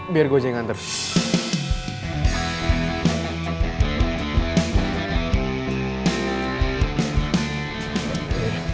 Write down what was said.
biar gue aja yang anterin